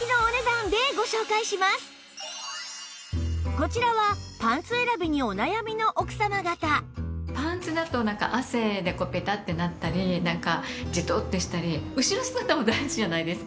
こちらはパンツだと汗でペタッてなったりなんかジトッとしたり後ろ姿も大事じゃないですか。